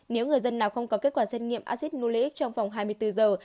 nếu người dân nào không có kết quả xét nghiệm acid nuli trong vòng hai mươi bốn giờ